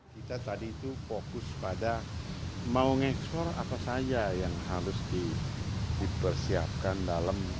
kita tadi itu fokus pada mau ngeksplor apa saja yang harus dipersiapkan dalam